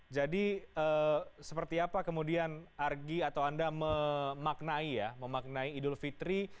jadi seperti apa kemudian argi atau anda memaknai idul fitri